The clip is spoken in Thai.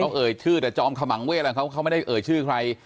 เขาเอ่ยชื่อแต่จอมขมังเวทของเขาเขาไม่ได้เอ่ยชื่อใคร